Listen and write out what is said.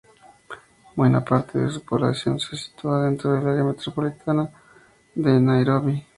Buena parte de su población se sitúa dentro del área metropolitana de Nairobi.